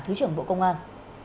thứ trưởng bộ công an